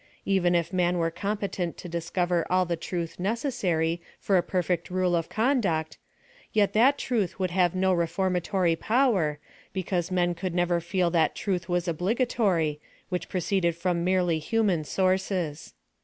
Even if man were competent to discover all the truth necessary for a perfect rule of conduct, yet that truth would have no reformatory power, because men could never feel that trutli was obligatory, wliich proceed ed from merely human sources.